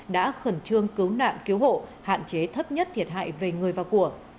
đã khẩn trương cứu nạn cứu hộ hạn chế thấp nhất thiệt hại về người và của